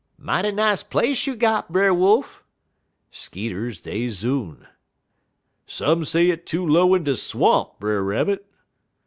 _) "'Mighty nice place you got, Brer Wolf.' (Skeeters dey zoon.) "'Some say it too low in de swamp, Brer Rabbit.'